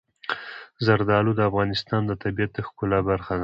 زردالو د افغانستان د طبیعت د ښکلا برخه ده.